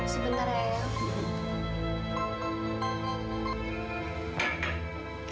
sebentar ya ya